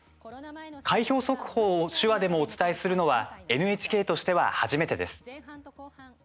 開票速報を手話でもお伝えするのはＮＨＫとしては初めてです。